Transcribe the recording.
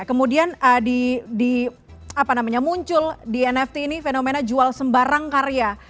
kemudian muncul di nft ini fenomena jual sembarang karya